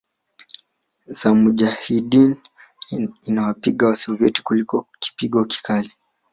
za Mujahideen inawapiga Wasoviet Kilikuwa kipigo kikali